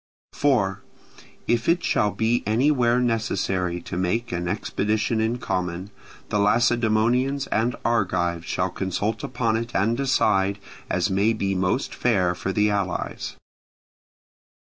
4. If it shall be anywhere necessary to make an expedition in common, the Lacedaemonians and Argives shall consult upon it and decide, as may be most fair for the allies.